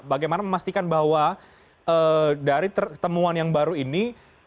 bagaimana memastikan bahwa dari temuan yang baru ini